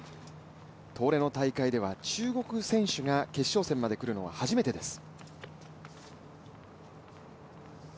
東レの大会では中国選手が決勝戦まで来るのは初めてです。